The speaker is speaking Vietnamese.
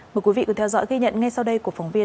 mời quý vị cùng theo dõi ghi nhận ngay sau đây của phóng viên